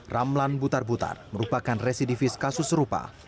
ramlan butar butar merupakan residivis kasus serupa